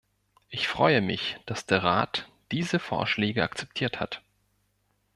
Ich freue mich, dass der Rat diese Vorschläge akzeptiert hat.